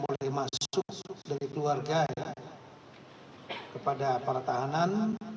boleh masuk dari keluarga ya kepada para tahanan